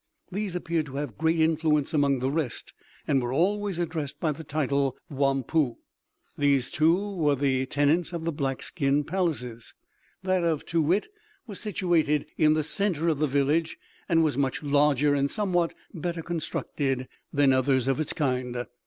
These appeared to have great influence among the rest, and were always addressed by the title Wampoo. These, too, were the tenants of the black skin palaces. That of Too wit was situated in the centre of the village, and was much larger and somewhat better constructed than others of its kind.